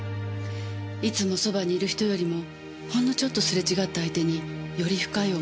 いつもそばにいる人よりもほんのちょっとすれ違った相手により深い思いを抱く。